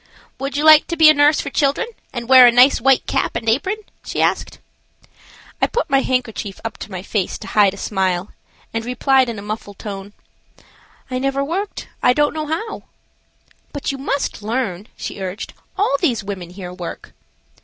"Would you like to be a nurse for children and wear a nice white cap and apron?" she asked. I put my handkerchief up to my face to hide a smile, and replied in a muffled tone, "I never worked; I don't know how." "But you must learn," she urged; "all these women here work."